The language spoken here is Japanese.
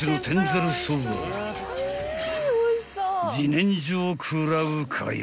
［自然薯を食らうかよ